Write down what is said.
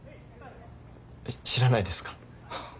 えっ知らないですか？